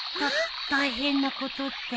た大変なことって？